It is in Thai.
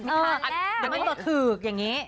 เดี๋ยวมันต่อถือกอย่างนี้